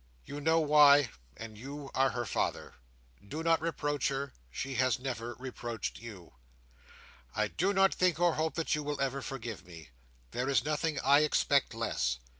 You know why, and you are her father. "'Do not reproach her. She has never reproached you. "'I do not think or hope that you will ever forgive me. There is nothing I expect less.